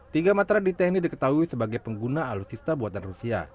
tiga matra di teknik diketahui sebagai pengguna alutsista buatan rusia